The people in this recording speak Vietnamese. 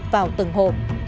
vào từng hộp